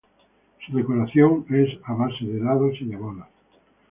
Su decoración es a base de dados y bolas.